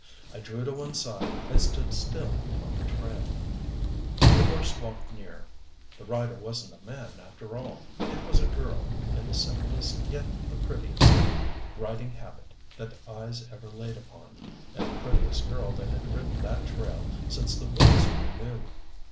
I drew to one side and stood still on the trail. The horse walked near. The rider wasn't a man, after all. It was a girl in the simplest, yet the prettiest, riding habit that eyes ever laid upon, and the prettiest girl that had ridden that trail since the woods were new.